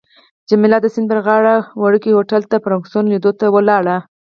جميله د سیند پر غاړه وړوکي هوټل ته فرګوسن لیدو ته ولاړه.